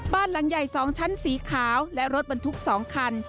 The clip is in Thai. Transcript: บ้านหลังใหญ่๒ชั้นสีขาวและรถบรรทุก๒คัน